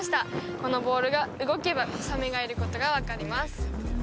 このボールが動けばサメがいることが分かります